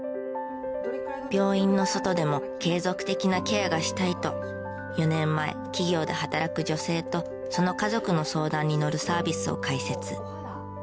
病院の外でも継続的なケアがしたいと４年前企業で働く女性とその家族の相談に乗るサービスを開設。